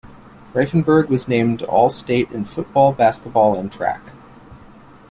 Rifenburg was named All State in football, basketball and track.